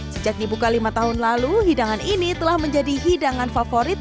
sejak dibuka lima tahun lalu hidangan ini telah menjadi hidangan favorit